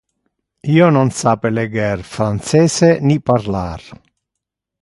Io non sape leger francese, ni parlar.